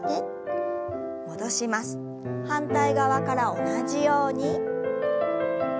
反対側から同じように。